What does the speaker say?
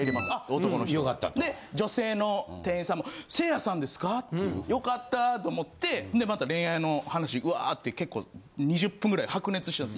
男の人。で女性の店員さんも「せいやさんですか！？」って良かったと思ってまた恋愛の話ウワーッて結構２０分ぐらい白熱してたんです。